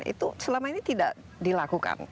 itu selama ini tidak dilakukan